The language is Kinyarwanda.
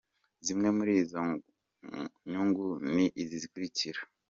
Zimwe muri izo nyungu ni izi zikurikira:.